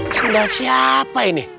sendal siapa ini